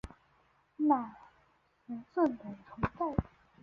那神圣的存在